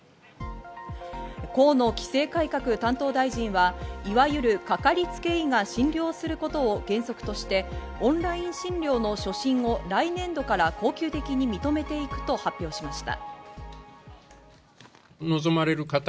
河野規制改革担当大臣はいわゆるかかりつけ医が診療することを原則としてオンライン診療の初診を来年度から恒久的に認めていくと発表しました。